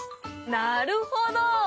なるほど！